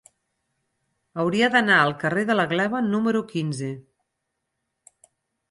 Hauria d'anar al carrer de la Gleva número quinze.